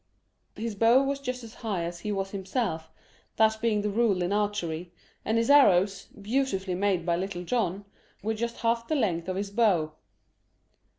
His bow was just as high as he was himself, that being the rule in archery, and his arrows, beautifully made by Little John, were just half the length of his bow.